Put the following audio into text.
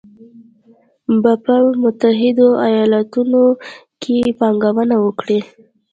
به په متحدو ایالتونو کې پانګونه وکړي